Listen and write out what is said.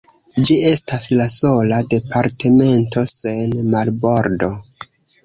Ĝi estas la sola departemento sen marbordo.